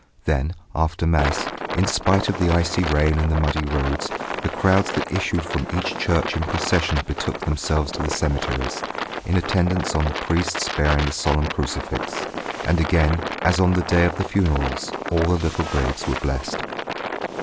Then after Mass, in spite of the icy rain and the muddy roads, the crowds that issued from each church in procession betook themselves to the cemeteries, in attendance on the priests bearing the solemn crucifix. And again, as on the day of the funerals, all the little graves were blessed.